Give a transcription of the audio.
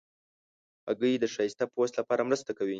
هګۍ د ښایسته پوست لپاره مرسته کوي.